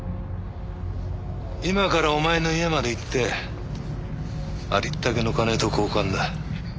今からお前の家まで行ってありったけの金と交換だ。